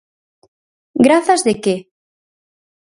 ¿Grazas de que?